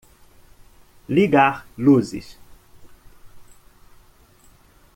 Ligar luzes.